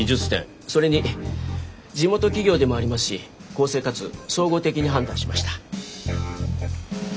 それに地元企業でもありますし公正かつ総合的に判断しました。